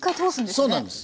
そうなんです。